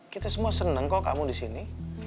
kita semua seneng kok kamu disini